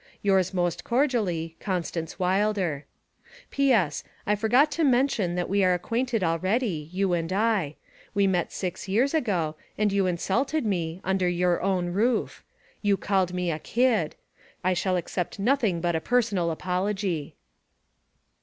'Yours most cordially, 'CONSTANCE WILDER.' 'P.S. I forgot to mention that we are acquainted already, you and I. We met six years ago, and you insulted me under your own roof. You called me a kid. I shall accept nothing but a personal apology.'